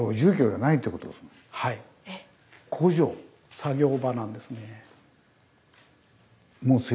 作業場なんですね。